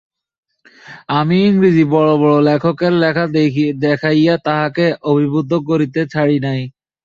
আমি ইংরেজি বড়ো বড়ো লেখকের লেখা দেখাইয়া তাহাকে অভিভূত করিতে ছাড়ি নাই।